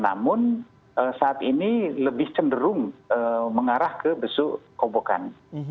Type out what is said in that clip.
namun saat ini lebih cenderung mengarah ke besuk kobokan